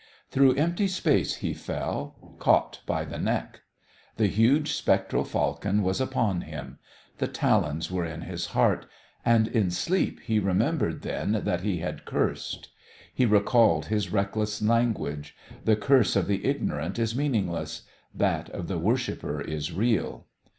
Through empty space he fell, caught by the neck. The huge spectral falcon was upon him. The talons were in his heart. And in sleep he remembered then that he had cursed. He recalled his reckless language. The curse of the ignorant is meaningless; that of the worshipper is real.